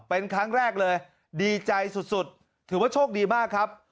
เป็นครั้งแรกเลยดีใจสุดถือว่าโชคดีมากครับ